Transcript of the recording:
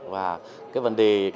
và cái vấn đề